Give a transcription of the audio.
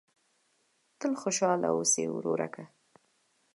تل خوشاله اوسه ورورکه !